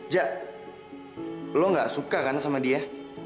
jak lo gak suka kan sama dia